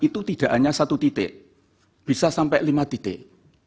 itu tidak hanya satu titik bisa sampai lima titik